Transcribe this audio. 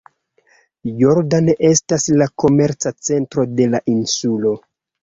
Jordan estas la komerca centro de la insulo.